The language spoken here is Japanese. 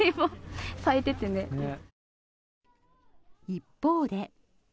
一方で。